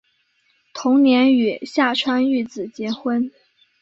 同年与下川玉子结婚。